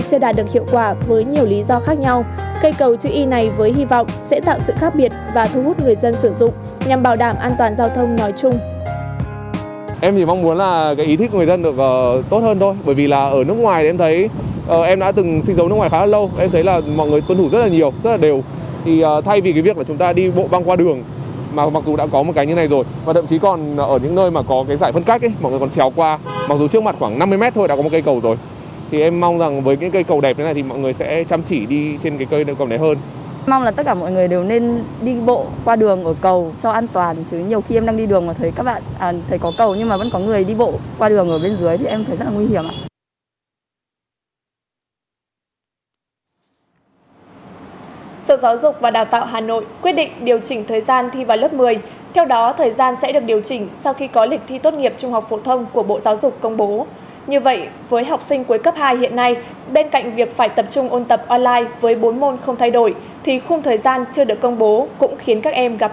thì khung thời gian chưa được công bố cũng khiến các em gặp không ít áp lực